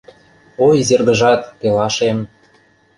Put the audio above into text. — Ой, Изергыжат, пелашем